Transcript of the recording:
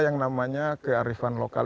yang namanya kearifan lokal